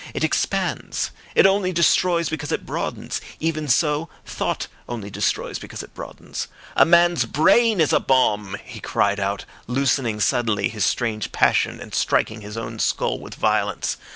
It expands; it only destroys because it broadens; even so, thought only destroys because it broadens. A man's brain is a bomb," he cried out, loosening suddenly his strange passion and striking his own skull with violence.